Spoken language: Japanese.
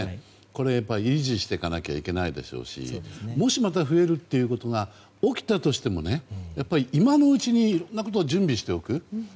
これは維持していかなきゃいけないですしもし、また増えるということが起きたとしてもね、今のうちにいろんなことを準備しておく。